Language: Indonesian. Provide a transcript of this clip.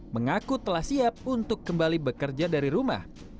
mengaku telah siap untuk kembali bekerja dari rumah